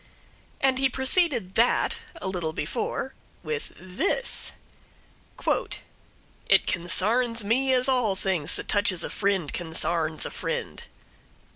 And he preceded that, a little before, with this: "'It consarns me as all things that touches a fri'nd consarns a fri'nd.'"